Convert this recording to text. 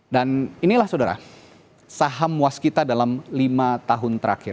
dan inilah sodara saham waskita dalam lima tahun terakhir